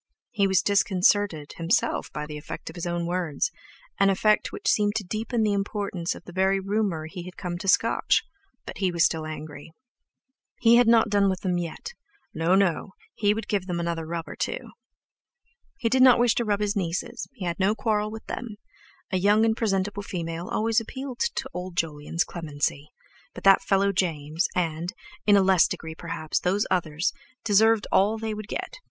He was disconcerted himself by the effect of his own words—an effect which seemed to deepen the importance of the very rumour he had come to scotch; but he was still angry. He had not done with them yet—No, no—he would give them another rub or two. He did not wish to rub his nieces, he had no quarrel with them—a young and presentable female always appealed to old Jolyon's clemency—but that fellow James, and, in a less degree perhaps, those others, deserved all they would get.